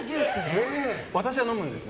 私は飲むんです。